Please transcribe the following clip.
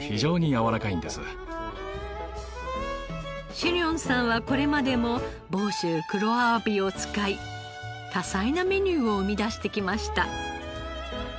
シェニョンさんはこれまでも房州黒あわびを使い多彩なメニューを生み出してきました。